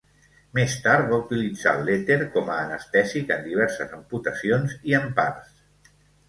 Més tard va utilitzar l'èter com a anestèsic en diverses amputacions i en parts.